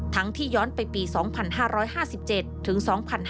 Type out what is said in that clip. ที่ย้อนไปปี๒๕๕๗ถึง๒๕๕๙